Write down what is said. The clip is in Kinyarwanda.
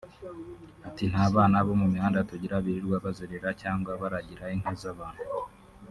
Ati “Nta bana bo mu mihanda tugira birirwa bazerera cyangwa baragira inka z’abantu